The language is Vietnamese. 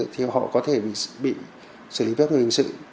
thì họ sẽ bị xử lý pháp luật về hình sự